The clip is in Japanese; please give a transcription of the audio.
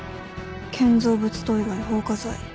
建造物等以外放火罪。